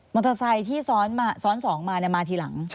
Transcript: มอเตอร์ไซค์ที่ซ้อน๒มาเนี่ยมาทีหลัง